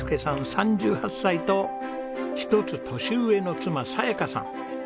３８歳と１つ年上の妻早矢加さん。